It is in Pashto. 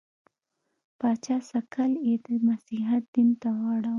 پاچا سکل یې د مسیحیت دین ته واړاوه.